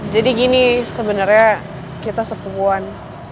jadi gini sebenernya kita sepupuan